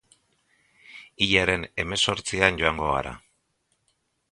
Hilaren hemezortzian joango gara.